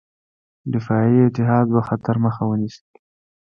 دفاعي اتحاد به خطر مخه ونیسي.